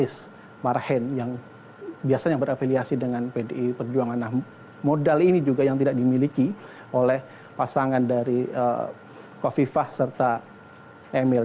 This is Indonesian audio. yang biasanya berafiliasi dengan pdi perjuangan nah modal ini juga yang tidak dimiliki oleh pasangan dari kofifah serta emil